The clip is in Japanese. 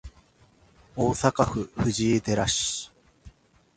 大阪府藤井寺市